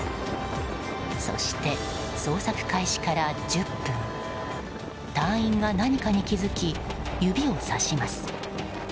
そして、捜索開始から１０分隊員が何かに気づき指をさします。